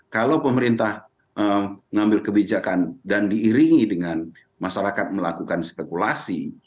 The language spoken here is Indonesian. kalau pemerintah mengambil kebijakan dan diiringi dengan masyarakat melakukan spekulasi